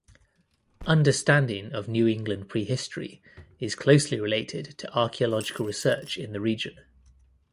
Understanding of New England prehistory is closely related to archaeological research in the region.